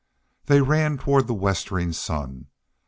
They ran toward the westering sun.